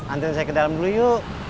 nanti saya ke dalam dulu yuk